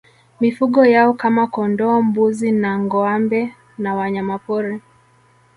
Mifugo yao kama kondoo mbuzi na ngoâmbe na wanyamapori